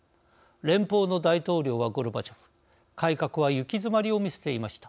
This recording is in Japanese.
連邦の大統領はゴルバチョフ改革は行き詰まりを見せていました。